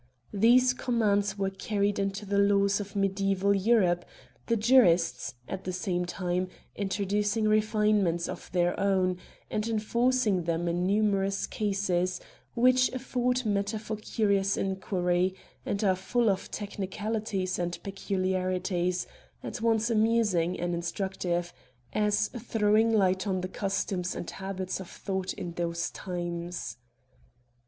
These commands were carried into the laws of mediaeval Europe ; the jurists, at the same time, introducing refinements of their own, and enforcing them in numerous cases, which afford matter for curious inquiry, and are full of technicalities and peculiarities, at once amusing and instructive, as throwing light on the customs and habits of thought in those times.